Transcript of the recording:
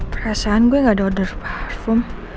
perasaan gue gak ada order platform